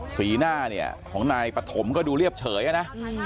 สีหน้าเนี่ยของนายปฐมก็ดูเรียบเฉยนะ